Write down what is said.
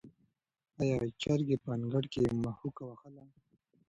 آیا چرګې په انګړ کې مښوکه وهله؟